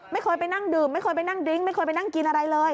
ไม่เคยไปนั่งดื่มไม่เคยไปนั่งดริ้งไม่เคยไปนั่งกินอะไรเลย